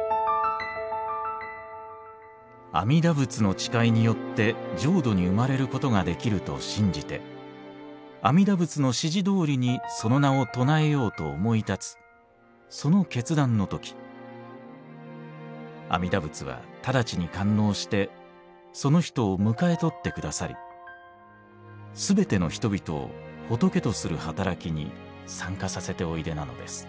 「阿弥陀仏の誓いによって浄土に生まれることができると信じて阿弥陀仏の指示どおりにその名を称えようと思い立つその決断の時阿弥陀仏はただちに感応してその人を迎えとって下さり全ての人々を仏とする働きに参加させておいでなのです」。